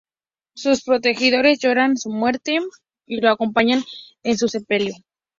Sus protegidos lloran su muerte y lo acompañan en su sepelio.